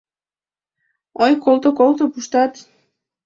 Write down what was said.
Ой, колто, колто, пуштат!